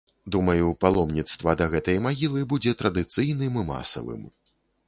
Думаю, паломніцтва да гэтай магілы, будзе традыцыйным і масавым.